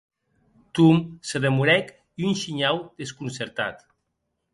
Tom se demorèc un shinhau desconcertat.